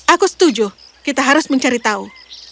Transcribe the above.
aku setuju kita harus mencari tahu